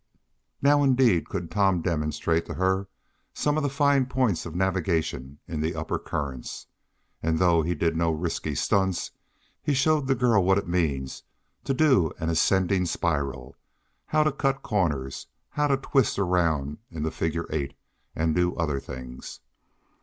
Now, indeed, could Tom demonstrate to her some of the fine points of navigation in the upper currents, and though he did no risky "stunts," he showed the girl what it means to do an ascending spiral, how to cut corners, how to twist around in the figure eight, and do other things.